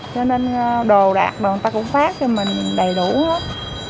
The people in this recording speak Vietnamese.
cho nên đồ đạt đồ người ta cũng phát cho mình đầy đủ hết